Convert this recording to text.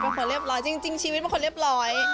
เป็นคนเรียบร้อยจริงชีวิตเป็นคนเรียบร้อย